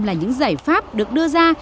là những giải pháp được đưa ra